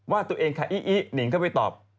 วาดตัวเองค่ะอิฮีฮีหนิงเข้าไปตอบ